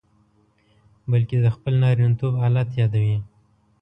بلکې د خپل نارینتوب آلت یادوي.